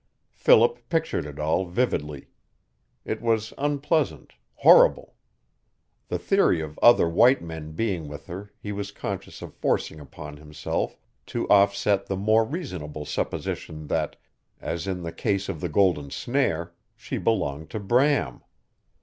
Philip pictured it all vividly. It was unpleasant horrible. The theory of other white men being with her he was conscious of forcing upon himself to offset the more reasonable supposition that, as in the case of the golden snare, she belonged to Bram.